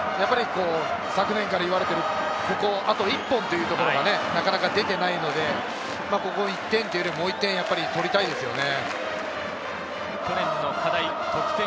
昨年から言われている、ここ、あと１本というのがなかなか出ていないので、ここ１点というより、もう１点取りたいですよね。